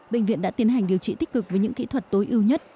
bệnh viện đã tiến hành điều trị tích cực với những kỹ thuật tối ưu nhất